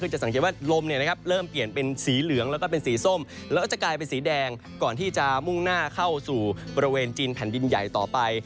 จะสังเกตว่าลมเริ่มเปลี่ยนเป็นสีเหลืองแล้วก็เป็นสีส้มแล้วก็จะกลายเป็นสีแดงก่อนที่จะมุ่งหน้าเข้าสู่บริเวณจีนแผ่นดินใหญ่ต่อไป